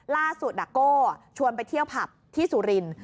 ล่าสุดดาโก้ชวนไปเที่ยวผับที่สุรินทร์